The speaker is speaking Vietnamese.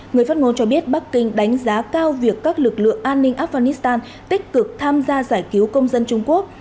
người phát ngôn cho biết bắc kinh đánh giá cao việc các lực lượng an ninh afghanistan tích cực tham gia giải cứu công dân trung quốc